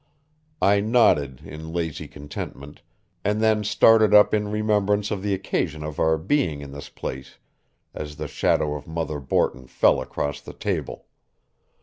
I nodded in lazy contentment, and then started up in remembrance of the occasion of our being in this place as the shadow of Mother Borton fell across the table.